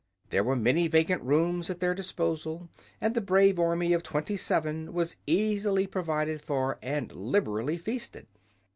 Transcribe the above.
There were many vacant rooms at their disposal, and the brave Army of twenty seven was easily provided for and liberally feasted.